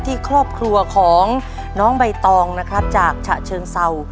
ที่ครอบครัวของน้องใบตองนะครับจากฉะเชิงเศร้า